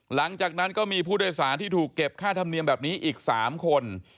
หลังจากนั้นก็มีผู้โดยสารที่ถูกเก็บค่าธรรมเนียมแบบนี้อีก๓คน